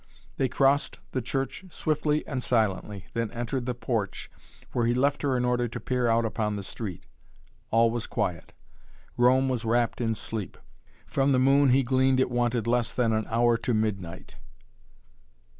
They crossed the church swiftly and silently, then entered the porch, where he left her in order to peer out upon the street. All was quiet. Rome was wrapt in sleep. From the moon he gleaned it wanted less than an hour to midnight.